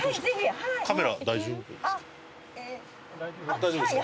大丈夫ですか？